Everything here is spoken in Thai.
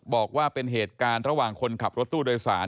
บอกว่าเป็นเหตุการณ์ระหว่างคนขับรถตู้โดยสาร